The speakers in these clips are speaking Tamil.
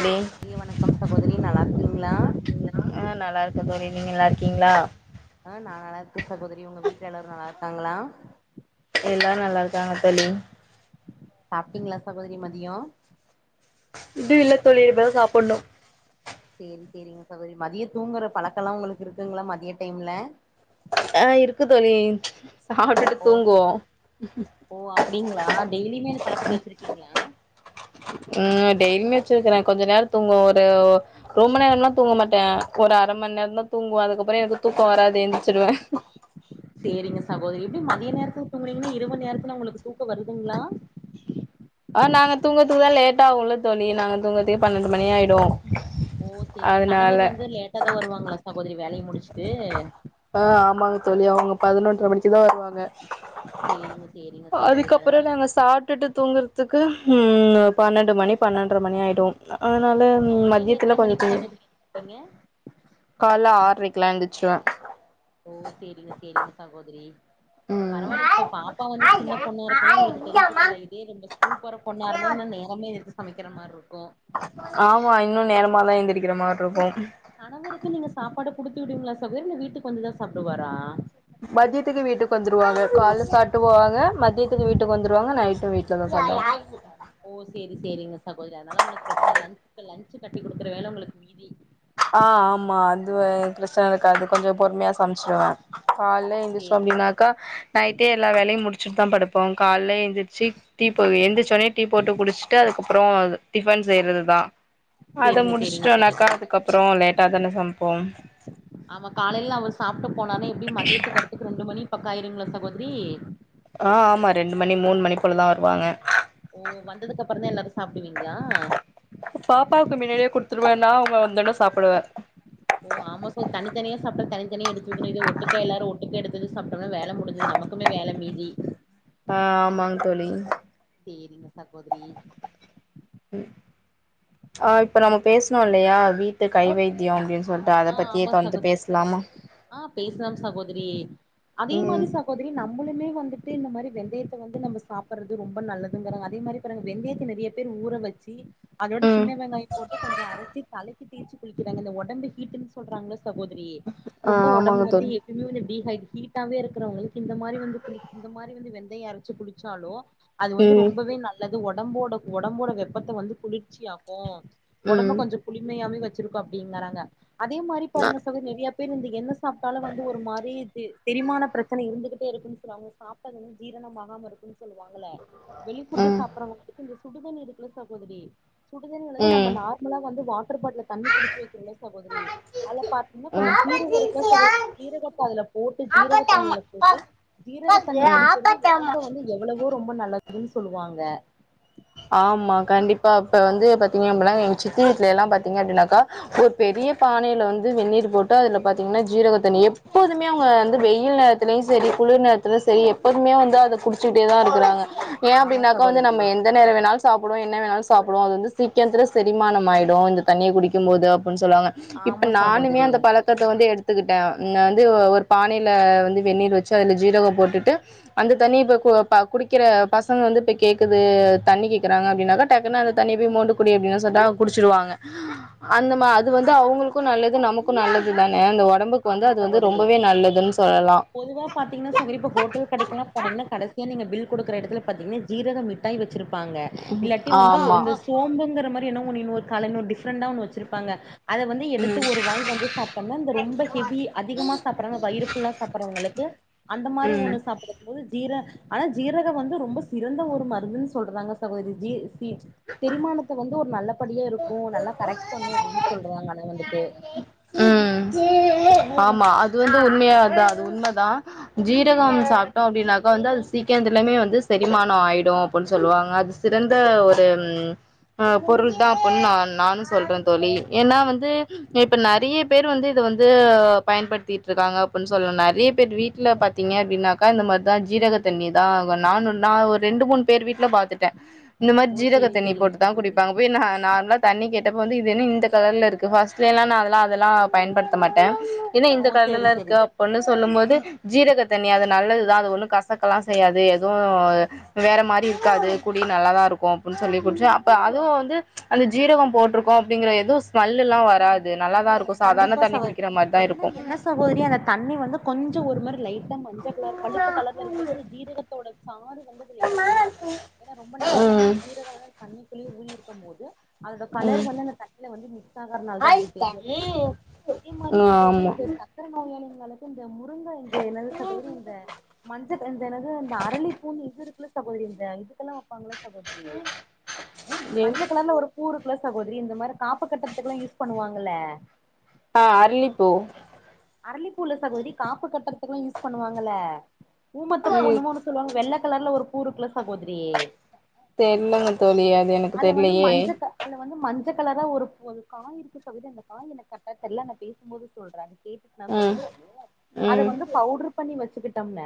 அப்டி ரிய வணக்கம் சகோதரி நல்லாருக்கீங்ளா ஆ நல்லாருக்க தோழி நீங்க நல்லாருக்கீங்ளா ஆ நா நல்லாருக்கே சகோதரி உங்க வீட்ல எல்லாரு நல்லாருக்காங்ளா எல்லாரு நல்லாருக்காங்க தோழி சாப்டீங்ளா சகோதரி மதியோ இன்னு இல்ல தோழி இப்பதா சாப்புட்னு சேரி சேரிங்க சகோதரி மதியோ தூங்குற பழக்கல்லா உங்களுக்கு இருக்குங்ளா மதியோ டைம்ல ஆ இருக்கு தோழி சாப்ட்டுட்டு ஓ தூங்குவோ ஓ அப்டிங்ளா டெய்லியுமே இந்த பழக்கத்த வெச்சிருக்கீங்ளா ம் டெய்லிமே வெச்சுயிருக்குற கொஞ்ச நேரத் துங்குவோ ஒரு ஒ ரொம்ப நேரல்லா தூங்க மாட்டே ஒரு அரமண் நேரந்தா தூங்குவ அதுக்கப்றோ எனக்கு தூக்கொ வராது எந்திச்சிருவ சேரிங்க சகோதரி எப்டி மதிய நேரத்ல தூங்குறீங்ன இரவு நேரத்துல உங்களுக்கு தூக்கொ வருதுங்ளா ஆ நாங்க தூங்கத்துக்கு தா லேட் ஆவுல தோழி நாங்க தூங்கத்திக்கே பன்னெண்டு மணி ஆய்டு ஓ சேரிங் கணவர் வந்து லேட்டாதா வருவாங்ளா ஆ ஆமாங்க தோழி அவங்க பதினொன்ற மணிக்குதா வருவாங்க சேரிங்க சேரிங்க சகோதரி அதனால விட்டுட்டு தூங்றதுக்கு உம் பன்னெண்டு மணி பன்னெண்ற மணி ஆய்டோ அதனால மத்யத்ல கொஞ்ச தூங் எங்க கால்ல ஆர்ரைக்லா எந்துச்சுவ ஓ சேரிங்க சேரிங்க சகோதரி ம் பரவால்ல இப்ப பாப்பா வந்து சின்ன பொண்ணா இருக்குல்ல உங்களுக்கு தெரிஞ்சிக்கில்ல இதே ரொம்ப ஸ்கூல் போற பொண்ணா இருந்தா இன்னு நேரமே எந் சமைக்கிற மார்ருக்கொ ஆமா இன்னு நேரமாதா எந்திரக்கிற மார்ருக்கொ கணவருக்கு நீங்க சாப்பாடு குடுத்துவிடுவிங்ளா சகோதரி இல்ல வீட்டுக்கு வந்துதா சாப்டுவாரா மத்தியத்துக்கு வீட்டுக்கு வந்துர்வாங்க கால்ல சாப்ட்டு போவாக மத்தியத்துக்கு வீட்டுக்கு வந்துருவாங்க நைட்டு வீட் செல்லோ செல்லோ ஓ சேரி சேரிங்க சகோதரி அதனால உங்ளுக் பிரச்சன லன்ச் லன்ச்சு கட்டி குடுக்ற வேல உங்களுக்கு மீதி ஆ ஆமா அது வ பிரச்ன இருக்காது கொஞ்ச பொறுமையா சமைச்சிருவ கால்ல எந்திச்சோ சேரி அப் இனக்கா நைட்டே எல்லா வேலயு முடிச்சிட் தா படுப்போ கால்ல எந்தி ச்சி டீ போ எந்திரச்சோனே டீ போட்டு குடிச்சிட்டு அதுக்கப்றோ டிஃபன் செய்றதுதா அத சேரிங்க சேரிங்க முடிச்ட்டோனாக்கா சகோதரி அதுக்கப்றோ லேட்டா தானே சமைப்போ ஆமா காலைல அவ சாப்ட்டு போனானே எப்டி மதியத்துக் வர் க்கு ரெண்டு மணி பக்க ஆய்டுங்ளா சகோத்ரி ஆ ஆமா ரெண்டு மணி மூண் மணி போல தா வருவாக ஓ வந்ததுக்கப்றோ தா எல்லாரு சாப்டுவீங்ளா பாப்பாவுக்கு மின்னாடியே குடுத்துருவ நா அவங்க வந்தோனே சாப்புடுவ ஓ ஆமா சொ தனி தனியா சாப்டா தனி தனியா எடுத்து வெக்கனு இத ஒட்டுக்க எல்லாரு ஒட்டுக்க எடுத்வெச் சாப்ட்டோனா வேல மு முஞ்சது நமக்குமே வேல மீதி ஆ ஆமாங்க தோழி சேரிங்க சகோதிரி ம் ஆ இப்ப நம்ம பேசணோ இல்லையா வீ ட்டு கை ஆ வைத்தியோ அப்டின்னு சொல்ட்டு அத ஆ பத்தியே ஆமா இப்போ சகோதரி வந்து பேசலாமா ஆ பேசுலாம் சகோதரி அதே ம் மாரி சகோதரி நம்மளுமே வந்துட்டு இந்த மாரி வெந்தயத்த வந்து நம்ம சாப்படறது ரொம்ப நல்லதுங்க அதே மாரி வெந்தயத்த நிறைய பேர் ஊற வச்சு அதோட ம் சின்ன வெங்காயம் போட்டு கொஞ்ச அரச்சி தலை க்கி தேச்சு குளிக்கறாங்க இந்த ஒடம்பு ஹீடன்னு சொல்றாங்கள சகோதரி ஆ ரொம்ப ஒடம்பு ஆமாங்க வந்து தோழி ஹிமினுட்டி ஹ ஹீட்டாவே ருக்கறவளுக்கு இந்த மாரி வந்து கு இந்த மாரி வந்து வெந்தயம் அரச்சு குடிச்ச லு அது வந்து ம் ரொம்பவே நல்லது ஒடம்போட ஒடம்போட வெப்பத்த வந்து குளிர்ச்சியாக்கு ஒடம்ப ம் கொஞ்ச குளிமையாமே வச்சிருக்க அப்டிங்கறாங்க அதே மாரி நா பாருங்க சகோ நெறைய பேர் இந்த எண்ண சாப்ட்டாலு வந்து ஒரு மாரி இது செரிமான பிரச்சன இருந்துகிட்டே இருக்குன்னு சொல்லுவாங்க சாப்ட்டதுன்னு ஜீரணம்மாகாம இருக்குன்னு சொல்லுவாங்கள வெளி ஃபுட்டு் ம் சாப்பறவங்களுக்கு இந்த சுடுதண்ணி இருக்கில சகோதிரி சுடுதண்ணிலதா நம்ம ம் நார்மலா வந்து வாட்டர் பாட்டில தண்ணி புடிச்சு வைக்றோல சகோதரி அதல பாத்தீங்ன்னா ம் கொஞ்சம் ஜீரகோ இருக்கில்ல சகோதரி ஜீரகத்த அதல போட்டு ஜீரக தண்ணியில போட்டு ஜீரக தண்ணி குடிக்கறது ஒடம்ப வந்து எவ்வளவோ ரொம்ப நல்லதுன்னு சொல்லுவாங்க ஆமா கண்டிப்பா ப்ப வந்து பாத்தீங்க அப்பனா எங்க சித்தி வீட்ல எல்லா பாத்தீங்க அப்டின்னாக்கா ஒரு பெரிய பானையில வந்து வெந்நீர் போட்டு அதுல பாத்தீங்ன்னா ஜீரகத்தண்ணி எப்போதுமே அவங்க வந்து வெயில லையு செரி குளிர் நேரத்துல செரி எப்போதுமே வந்து அத குடிச்சுக்ட்டே தா இருக்கறாங்க ஏ ஆமா அப்டின்னாகா வந்து சகோதரி நம்ம எ ந்த நேர வேணாலு சாப்புடுவோ என்ன வேணாலும்சாப்புடுவோ அது வந்து சீக்கரத்தில செரிமானம் ஆகிடு இந்த தண்ணிய குடிக்கும் போது அப்பன் சொல்லுவாங்க இப்ப ஆமா நானுமே சகோதரி அந்த பழத் க்கத்த வந்து எடுத்துக்கிட்டே நா வந்து ஒரு பானையில் வந்து வெந்நீர் வச்சு அதுல ஜீரகம் போட்டுட்டு அந்த தண்ணி இப்ப கு குடிக்கிற பசங்க வந்து இப்ப கேக்குது தண்ணி கேக்குறாங்க அப்பின்னாக்கா டக்குன்ன அந்த தண்ணி போய் மோண்டு குடி அப்டின்னு சோன்னா குடிச்சுருவாங்க அந்த மா அது வந்து அவங்ளுக்கு நல்லது நமக்கு நல்லது தானே அந்த ஒ டம்புக் வந்து ஆமா அது வந்து சகோதரி ரொம்பவே நல்லதுன்னு சொல்லலா பொதுவா பாத்தீங்ன்னா சோ இப்ப ஹோட்டல் கடைக்கெல்லா போனங்ன்னா கடசீய நீங்க பில் குடுக்கற எடத்துல பாத்தீங்ன்னா ஜீரக மி டாயி வெச்சுருப்பாங்க இல்லாட்டி வந்து ஆமா இந்த சோம்பங்கற மாரி என்னமோ கலனு டிஃப்ரண்டா ஒன்னு வெச்சிருப்பாங்க அத வந்து எடுத்து ஒரு வாய் வந்து சாப்ட்டம்னா இந்த ரொம்ப ஹவி அதிகமா சாப்பட்றாங்க வயிரு ஃபுல்லா சாப்பறவங்களுக்கு அந்த மாரி ஒண்ண ம் சாப்பற போது ஜீர ஆனா ஜீரக வந்து ரொம்ப சிறந்த ஒரு மருந்துன் சொல்றாங்க சகோதரி ஜீ தி தெரிமானத்த வந்து ஒரு நல்லபடியா இருக்கு நல்லா கரெக்ட் னோ அப்டின் சொல்றாங்க அத வந்துட்டு ம் ஆமா அது வந்து உண்மையாதா அது உண்மதா ஆ ஜீரகம் சாப்ட்டோ அப்டின்னாக்கா வந்து அது சீக்கத்துலயுமே வந்து செரிமானோ ஆயிடு [inaudible] சொல்லுவாங்க அது சிறந்த ஒரு ம் ஆ பொருள் தா அப்பன்னு நா நானு சொல்றே தோழி ஏன்னா வந்து இப்ப நறைய பேர் வந் வந்து இத வந்து அ பயன்பட்த்திட்ருக்காங்க அப்பன் சொல்ல நறைய பேர் வீட்ல பாத்தீங்க அப்டின்னா அக்கா இந்த மாரிதா ஜீரக தண்ணி தாங்கு நானு நா ஒரெண்டு மூணு பேர் வீட்ல பாத்துட்டே இந்த மாரி ஓ ஜீரக சேரி தண்ணி சேரிங்க போட்டுதா சகோதரி குடிப்பாங் போய் நா நார்மலா தண்ணி கேட்டப்ப வந்து இதுன்னு இந்த கலர்ல இருக்கு பர்ஸ்ட்லலா நா அதெல்லா அதெல்லா பயன்படுத்த மாட்டே என்ன இந்த ஓ சேரி கர்லல்ல சேரி இருக்க அப் ஒண்ணு சொல்லும் போது ஜீரக தண்ணி அது நல்லதுதா அது ஒண்ணு கசக்கல்லா செய்யாது எது வேற மாரி இருக்காது குடி நல்லாதாருக்கு அப்பன் சொல்லி குச்சே அப்ப அதுவு வந்து அந்த ஜீரகம் போட்ருக்கோ அப்டிங்கற எதுவு ஸ்மெல்லெல்லா வராது நல்லாதாருக் இப்ப சாதார்ன தண்ணி குடிக்கற மாரிதா இருக்கு ஓரிய அந்த தண்ணி வந்து கொஞ்ச ஒரு மாரி லைட்டா மஞ்ச கலர் கருப்பு கலர்ல இருக்கு ஏன்னா இந்த ஜீரகத்தோட சாரு வந்து இதுல எறங்குமா ஏன்னா ரொம்ப நேர வந்து ம் இந்த ஜீரகம் வந்து தண்ணிக்குள்ளயே ஊறி இருக்கும் போது அதோட கலர் ம் வந்து அந்த தண்ணியில வந்து மிக்ஸ் ஆகறதுனால தா அப்பிடி தெரியு அதே மாதிரி சகோதரி ஆமா இந்த சக்கர நோயாளிங்ளுக்கு இந்த மு ங்க இந்த என்னாது சகோதரி இந்த மஞ்ச க என்னது இந்த அரளி பூன்னு இது இல்ல சகோதரி இந்த இதுக்கெல்லா வப்பாங்கள சகோதரி மஞ்சக் கலர்ல ஒரு ஊருக்குள்ள சகோதரி இந்த மாரி காப்ப கட்றத்துக்கெல்லா யூஸ் பண்ணுவாங்கல்ல ஆ அரலிப்பூ அரளிப்பூ இல்ல சகோதரி காப்பு கட்டுறதுக்குல்லா யூஸ் பண்ணுவாங்கல ஊமத்தப்பூ எனமோஸ் சொல்லுவாங்க வெள்ள கலர்ல ஒரு பூ இருக்குல்ல சகோதரி தெரிலங்க தோழி அது எனக்கு தெரிலையே அது வந்த மஞ்ச கலரா ஒரு பூ அது காய இருக்கு சகோதரி அந்த ஆ எனக்கு தெரில நா பேசும்போது சொல்ற அத கேட்டுட் ந சொல்றே ம் நானு அத ம் வந்து பவுட்ரு பண்ணி வச்சுக்கிட்டோம்ன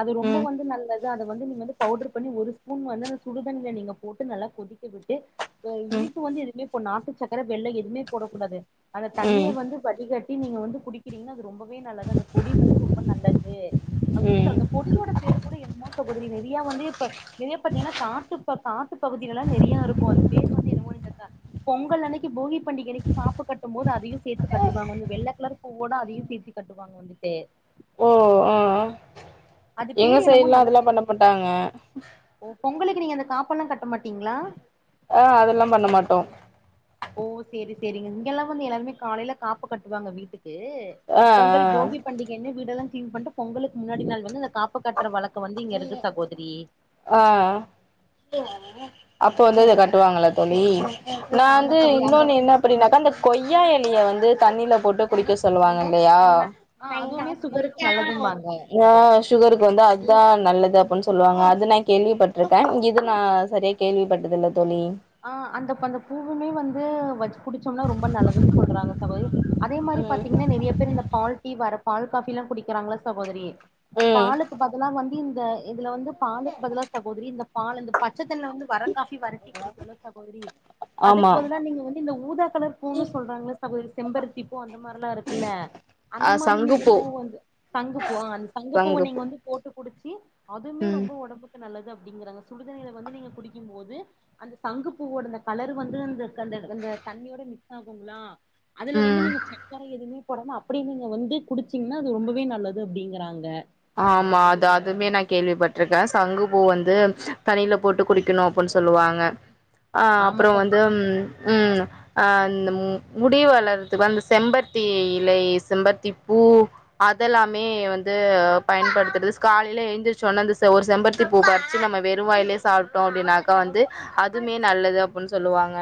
அது ரொம்ப ம் வந்து நல்லது இல்ல அத வந்து நீங்க வந்து பவுட்ரு பண்ணி ஒரு ஸ்பூன் வந்து அந்த சுடுதண்ணில நீங்க போட்டு நல்லா கொதிக்க விட்டு ம் இனிப்பு வந்து எதுவுமே போ நாட்டு சக்கர வெள்ளொ எதுவுமே போடக் கூடாது அந்த தண்ணிய ம் வந்து வடிகட் டி நீங்க வந்து குடிக்கிறீங்கன்னா அது ரொம்பவே நல்லது அந்த பொடி வந்து ரொம்ப நல்லது அப்டின்னு ம் சார் அந்த பொடியோட பேரு கூட என்னமோ சகோதரி நிறையா வந்து இப்ப நிறைய பாத்தீங்கன்னா காட்டு காட்டு பகுதிலலா நிறையா இருக்கு அது பேர் வந்து என்னவோ க பொங்கல் அன்னைக்கு போகி பண்டிகை அன்னைக்கு காப்பு கட்டும் போது அதையு சேத்து கட்டுவாங்க அந்த வெள்ள கலர் போட அதையு சேத்தி கட்டுவாங்க வந்துட்டு ஓ ஆ அது எங்க பேர் என்னமோ சைடுல்லா நல்ல அதெல்லா பேர் பண்ணப்பட்டாங்க ஓ பொங்கலுக்கு நீங்க அந்த காப்பெல்லா கட்ட மாட்டீங்களா ஆ அதெல்லா பண்ண மாட்டோ ஓ சரி சரிங்க இங்கெல்லாமவந்து எல்லாருமே காலையில காப்பு கட்டுவாங்க வீட்டுக்கு ஆ ஆ பொங்கல் போகி பண்டிகை என்ன வீடெல்லா கிளீன் பண்ணிட்டு பொங்கலுக்கு முன்னாடி நாள் வந்து அந்த காப்பு கட்டுற வழக்க வந்து இங்க இருக்கு சகோதரி ஆ அப்போ வந்து அத கட்டுவாங்களா தோழி ஆ நா ஆமா வந்து சகோதரி அந்த இன்னொன்னு என்னாப் அப்படின்னாக்கா அந்த கொய்யா எலைய வந்து தண்ணில போட்டு குடிக்க சொல்லுவாங்க இல்லையா ஆ அதுவுமே சுகருக்கு நல்லதும்பாங்க [unintelligible] ஆ சுகருக்கு வந்து அத்தா நல்லது அப்டின்னு சொல்லுவாங்க அது நா கேள்விப்பட்டிருக்கே இது நா சரியா கேள்வி பட்டதில்ல தோழி ஆ அந்த அந்த பூவுமே வந்து வெச்சு குடிச்சோம்னா ரொம்ப நல்லதுன்னு சொல்றாங்க சகோதரி அதே மாரி ம் பாத்தீங்கன்னா நெறைய பேர் இந்த பால் டீ வர பால் காபி எல்லா குடிக்கிறாங்களா சகோதரி ம் பாலுக்கு பதிலா வந்து இந்த இதுல வந்து பாலுக்கு பதிலா சகோதரி இந்த பால் இந்த பச்ச தண்ணில வந்து வர காஃபி வர டீ இல்ல சகோதரி அதுக்கு ஆமா பதிலா நீங்க வந்து இந்த ஊதா கலர் பூன்னு சொல்றாங்கள சகோதரி செம்பருத்தி பூ அந்த மாரி எல்லா இருக்குல அந்த அ மாரி நீங்க சங்குப்பூ பூ வந்து சங்குப்பூ ஆ அந்த சங்குப்பூவை நீங்க சங்குப்பூ வந்து போட்டு குடிச்சு அதுமே ம் ரொம்ப ஒடம்புக்கு நல்லது அப்டிங்கறாங்க சுடுதண்ணில வந்து நீங்க குடிக்கும் போது அந்த சங்கு பூவோட அந்த கலர் வந்து அந்த அந்த தண்ணியோட மிக்ஸ் ஆகுங்ளா அதுல வந்து ம் நீங்க சக்கர எதுமே போடம அப்டியே நீங்க வந்து குடிச்சீங்கன்னா அது ரொம்பவே நல்லது அப்டிங்கறாங்க ஆமா அது அதுமே நா கேள்விப்பட்டிருக்கே சங்குப்பூ வந்து தண்ணியில போட்டு குடிக்கணு அப்டின்னு சொல்லுவாங்க ஆ ஆமா அப்றோ ச வந்து ம் ஆ அந்த முடி வளறதுக்கு அந்த செம்பருத்தி இலை செம்பருத்தி பூ அதெல்லாமே வந்து பயன்படுத்துறது காலையில் எழுந்திரிசிச்சோ ஒடனே அந்த செ ஒரு செம்பருத்தி பூ பறிச்சு நம்ம வெரும் வாயிலே சாப்பிட்டோ அப்டினாக்கா வந்து அதுமே நல்லது அப்டின்னு சொல்லுவாங்க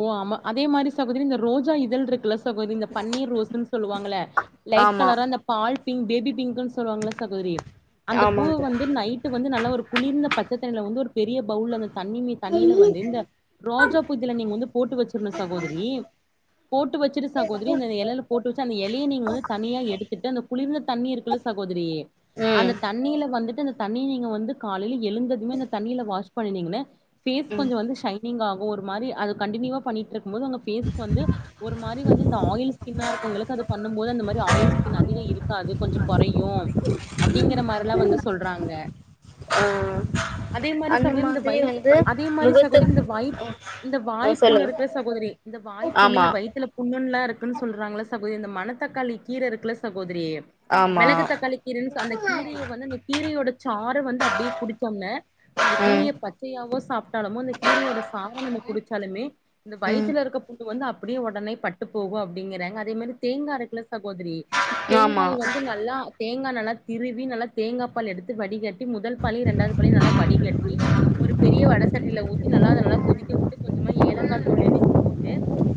ஓ ஆமா அதே மாரி சகோதரி இந்த ரோஜா இதழ் இருக்குல்ல சகோதரி இந்த பன்னீர் ரோஸ்ன்னு சொல்லுவாங்கள லைட் ஆமா கலரா இந்த பால் பிங்க் பேபி பிங்க்ன்னு சொல்லுவாங்களா சகோதரி அந்த பூவ ஆமாங்க வந்து நைட்டு வந்து நல்ல ஒரு குளிர்ந்த பச்ச தண்ணில வந்து ஒரு பெரிய பவுல் அந்த தண்ணி மே தண்ணில வந்து இந்த ரோஜா பூ இதழ நீங்க வந்து போட்டு வெச்சிரனு சகோதரி போட்டு வெச்சுட்டு சகோதரி இந்த இலைல போட்டு வெச்சு அந்த எலைய நீங்க வந்து தனியா எடுத்துட்டு அந்த பூ குளிர்ந்த தண்ணி இருக்குல்ல சகோதரி அந்த ம் தண்ணில வந்துட்டு அந்த தண்ணி நீங்க வந்து காலில எழுந்ததுமே அந்த தண்ணில வாஷ் பண்ணீங்கன்னா ஃபேஸ் ம் கொஞ்சோ வந்து சைனிங் ஆகு ஒரு மாரி அது கண்டினியூவா பண்ணிட்டு இருக்கும் போது உங்க ஃபேஸ் வந்து ஒரு மாரி வந்து ஆயில் ஸ்கின்னா இருக் வங்களுக்கு அது பண்ணும் போது அந்த மாரி ஆயில் ஸ்கின் அதிக இருக்காது கொஞ்சோ கொறையு அப்டிங்கற மாரில்லா வந்து சொல்றாங்க ஆ அதே மாரி அந்த சகோதரி இந்த மாதிரி வைய் வந்து அதே மாரி சகோதரி முகத்துக் இந்த வைய் இந்த ஆ வாய்ப்புண்ணு சொல்லுங்க இருக்குல்ல சகோதரி இந்த வாய்ப்புண்ணு ஆமா இந்த வயித்துல புண்ணுன்னுல்லா இருக்குன்னு சொல்றாங்கள சகோதரி இந்த மணத்தக்காளி கீர இருக்குல சகோதரி ஆமா மெளகு தக்காளி கீரன்னு அந்த கீரையை வந்து இந்த கீரையோட சாறு வந்து அப்டியே குடிச்சம்னே அந்த ம் கீரைய பச்சையாவோ சாப்ட்டாலுமோ அந்த கீரையோட சார நம்ம குடிச்சாலுமே இந்த ம் வயித்துல இருக்க புண்ணு வந்து அப்டியே ஒடனே பட்டு போகு அப்டிங்கிறாங்க அதே மாரி தேங்கா இருக்குல்ல சகோதரி ஆமா தேங்காய வந்து நல்லா தேங்கா நல்லா திருவி நல்லா தேங்கா பால் எடுத்து வடிகட்டி முதல் பாலையு ரெண்டாவது பாலையு நல்லா வடிகட்டி ஒரு பெரிய வட சட்டில ஊத்தி நல்லா அத நல்லா கொதிக்க வுட்டு கொஞ்சமா ஏலக்காய் தூள் இடிச்சு போட்டு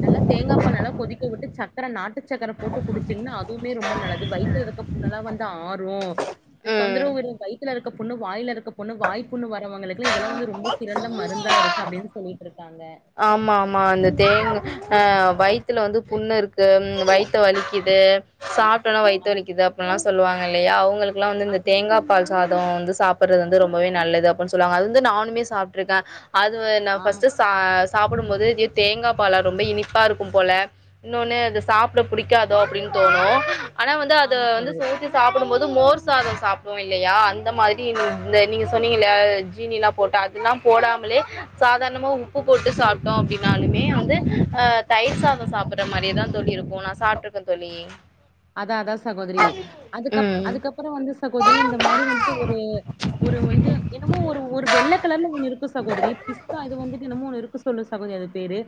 நல்லா தேங்கா பால் நல்லா கொதிக்க வுட்டு சக்கர நாட்டு சக்கர போட்டு குடிச்சிங்கன்னா அ அதுவுமே ரொம்ப நல்லது வயித்துல இருக்குற புண்ணெல்லா வந்து ஆரு ம் தொந்தரவு இருந்த வயித் துல இருக்க புண்ணு வாயில இருக்க புண்ணு வாய்ப் புண்ணு வரவங்களுக்கு இதெல்லா வந்து ரொம்ப சிறந்த மருந்தா இருக்கு அப்டின்னு சொல்லிட்டு இருக் காங்க ஆமாம்மா அந்த தேங்கா ஆ வயித்துல வந்து புண்ணு இருக்கு வயித்து வலிக்கிது சாப்டவுனே ஆ வய்த்து வலிக்குது அப்டின்னுல்லா சொல்லுவாங்க இல்லையா அவங்களுக்கெல்லா வந்து இந்த ஆமா தேங்கா சகோ பால் சாதோ வந்து சாப்றது வந்து ரொம்பவே நல்லது அப்படினு சொல்லுவாங்க அது வந்து நானுமே சாப்ட்டுருக்கே அது வ நா ஆமா ஃபர்ஸ்ட்டு சா சாப்டும்போது தேங்கா பாலா ரொம்ப இனிப்பா இருக்கும் போல இன்னொன்னு அத சாப்ட புடிக்காதோ அப்டின்னு தோணு ஆனா வந்து அத ஆமா வந்து சகோதரி ஊத்தி சாப் பிடும் போது மோர் சாதம் சாப்டுவோ இல்லையா அந்த மாதிரி நீங் இந்த நீங்க சொன்னீங்க இல்லையா ஜீனி எல்லா போட்டா எல்லாம் போடாமலே சாதாரணமா உப்புப் போட்டு சாப்ட்டோ அப்டின்னாலுமே வந்து அ தயிர் சாதம் சாப்டற மாரியேதா தோழி இருக்கு நா சாப்ட்டுருக்கே தோழி இங் அதா அதா சகோதரி அதுக்கப் அதுக்கப்றோ வந்து சகோதரி இந்த மாதிரி வந்துட்டு ஒரு ஒரு வந்து என்னமோ ஒரு ஒரு வெள்ள கலர்ல ஒண்ணு இருக்கு சகோதரி பிஸ்தா இது வந்துட்டு என்னமோ ஒண்ணு இருக்கு [unintelligible] சொல்லு சகோதரி அது பேரு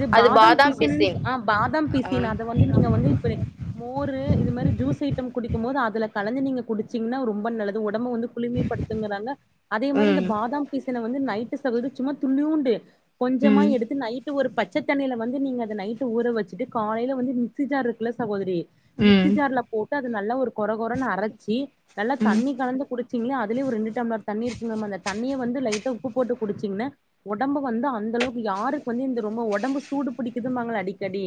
இது அது பாதாம் பிசினு பிசின் ஆ பாதாம் பிசின் ம் அத வந்து நீங்க வந்து [unintelligible] மோரு இது மாதிரி ஜூஸ் ஐட்டம் குடிக்கும் போது அதுல கலந்து நீங்க குடிச்சீங்கன்னா ரொம்ப நல்லது உடம்பு வந்து குளிமைப்படுத்துங்கிறாங்க அதே மாதிரி இந்த ம் பாதாம் பீசின வந்து நைட்டு சகோதரி சும்மா துள்ளியுண்டு கொஞ்சமா ம் எடுத்து நை ட்டு ஒரு பச்ச தண்ணில வந்து நீங்க அத நைட்டு ஊற வச்சுட்டு காலையில வந்து மிக்ஸி ஜார் இருக்குல சகோதரி மிக்ஸி ம் ஜார்லப் போட்டு அது நல்லா ஒரு கொற கொறன்னு அரைச்சி நல்லா தண்ணி ம் கலந்து குடிச்சீங்களா அதுலய ஒரு ரெண் டு டம்பளர் தண்ணி இருக்குகமா அந்த தண்ணிய வந்து லைட்டா உப்பு போட்டு குடிச்சிங்கன்னா உடம்பு வந்து அந்த அளவுக்கு யாருக்கு வந்து இந்த ரொம்ப உடம்பு சூடு பிடிக்குதுன்பாங்ள அடிக் கடி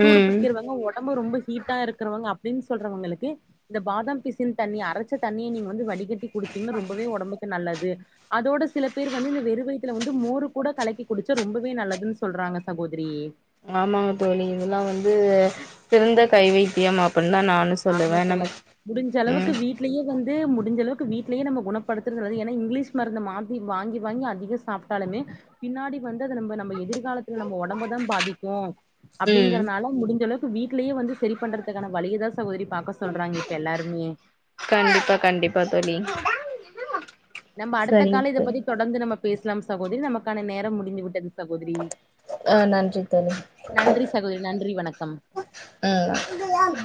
சூடு ம் பிடிக்கிறவங்க உடம்பு ரொம்ப ஹீட் டா இருக்கிறவங்க அப்டின்னு சொல்றவங்களுக்கு இந்த பாதாம் பிசின் தண்ணிய அரைச்ச தண்ணிய நீங்க வந்து வடி கேட்டி குடுத்தீங்கன்னா ரொம்பவே உடம்புக்கு நல்லது அதோட சில பேர் வந்து இந்த வெறு வயத்துல வந்து மோரு கூட கலக்கி குடிச்சா ரொம்பவே நல்லதுன்னு சொல்றாங்க சகோதரி ஆமாங்க தோழி இதெல்லா வந்து சிறந்த கை வைத்தியம் அப்டின்னு தா நானு ஆமா சகோதரி முடிஞ்சளவுக்கு வீட் லேயே வந்து முடிஞ்சளவுக்கு வீட்லேயே நம்ம குணப்படுத்துற அல்லது ஏனா இங்கிலீஷ் மருந்த மாத்தி வாங்கி வாங்கி அதிக சாப் ட்டாலுமே பின்னாடி வந்து அது நம்ம நம்ம எதிர்காலத்தில நம்ம உடம் ம்பதா பாதிக்கு ம் அப்டிங்கிறனால முடிஞ்ச அளவுக்கு வீட்லயே வந்து செரி பண்றதுக்கான வழியதா சகோதரி பாக்க சொல்றாங்க இப்ப எல்லாருமே கண்டிப்பா கண்டிப்பா தோழி நம்ம அடுத்த சரிங்க கால்ல இத தோழி பத்தி தொடர்ந்து நம்ம பேஸ்லா சகோதரி நமக்கான நேர முடிந்துவிட்டது சகோதரி ஆ நன்றி தோழி நன்றி சகோதரி நன்றி வணக்கம் ம்